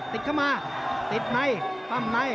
ติดเข้ามาติดในปั้มใน